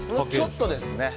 ちょっとですね。